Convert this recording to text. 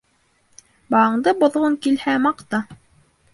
Балаңды боҙғоң килһә, маҡта.